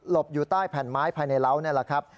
บอยู่ใต้แผ่นไม้ภายในเล้านี่แหละครับ